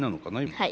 はい。